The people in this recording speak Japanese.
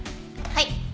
はい。